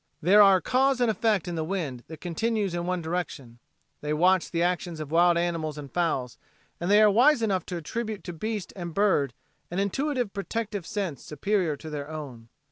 There are cause and effect in the wind that continues in one direction. They watch the actions of wild animals and fowls, and they are wise enough to attribute to beast and bird an intuitive protective sense superior to their own.